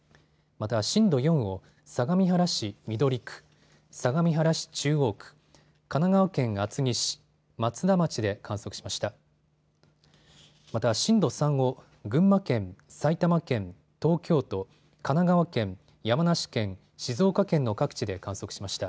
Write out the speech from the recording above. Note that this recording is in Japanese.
また震度４を相模原市緑区、相模原市中央区、神奈川県厚木市、松田町で観測しました。